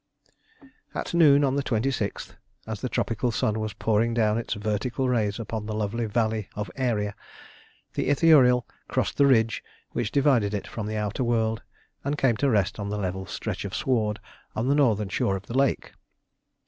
At noon on the 26th, as the tropical sun was pouring down its vertical rays upon the lovely valley of Aeria, the Ithuriel crossed the Ridge which divided it from the outer world, and came to rest on the level stretch of sward on the northern shore of the lake.